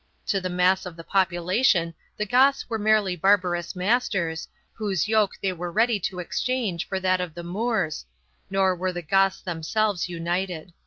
To the mass of the population the Goths were merely barbarous masters, whose yoke they were ready to exchange for that of the Moors, nor were the Goths them selves united.